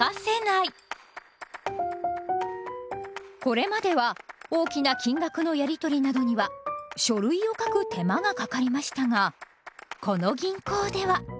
これまでは大きな金額のやりとりなどには書類を書く手間がかかりましたがこの銀行では。